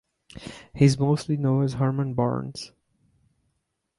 He is mostly known as Harman Barnes (or Barne).